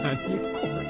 これ。